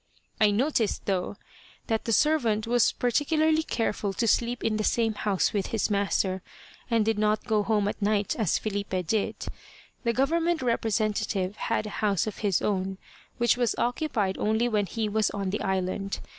I noticed, though, that the servant was particularly careful to sleep in the same house with his master, and did not go home at night, as Filipe did. The government representative had a house of his own, which was occupied only when he was on the island.